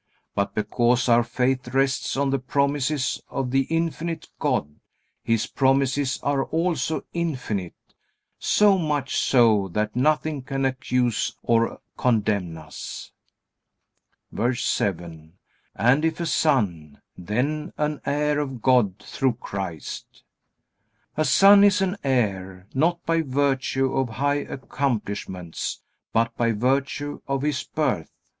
But because our faith rests on the promises of the infinite God, His promises are also infinite, so much so that nothing can accuse or condemn us. VERSE 7. And if a son, then an heir of God through Christ. A son is an heir, not by virtue of high accomplishments, but by virtue of his birth.